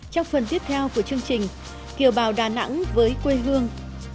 trong phần tiếp theo của chương trình kiều bào đà nẵng với quê hương